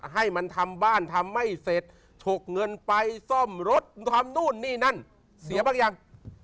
ให้มันทำบ้านทำไม่เสร็จฉกเงินไปซ่อมรถทำนู่นนี่นั่นเสียบางอย่าง